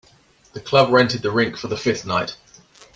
The club rented the rink for the fifth night.